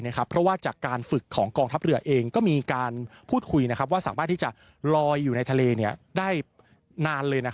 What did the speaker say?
เพราะว่าจากการฝึกของกองทัพเรือเองก็มีการพูดคุยว่าสามารถที่จะลอยอยู่ในทะเลได้นานเลย